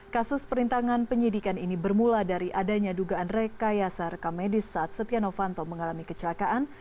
kasus perintangan penyidikan ini bermula dari adanya dugaan rekayasa rekamedis saat setia novanto mengalami kecelakaan